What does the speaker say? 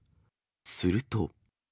すると。